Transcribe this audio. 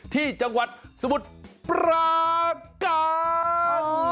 ที่จังหวัดสมุทรปราการ